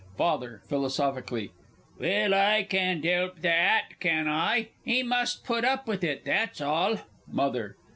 FATHER (philosophically). Well, I can't 'elp the 'at, can I? He must put up with it, that's all! MOTHER.